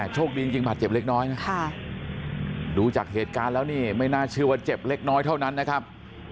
โชคดีจริงบาดเจ็บเล็กน้อยนะดูจากเหตุการณ์แล้วนี่ไม่น่าเชื่อว่าเจ็บเล็กน้อยเท่านั้นนะครับ